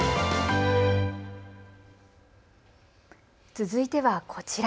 続いてはこちら。